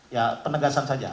ya penegasan saja